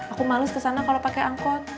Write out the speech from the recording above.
aku males kesana kalau pakai angkot